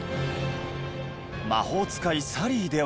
『魔法使いサリー』では。